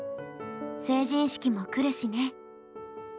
成人式もくるしね。